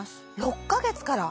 ６か月から？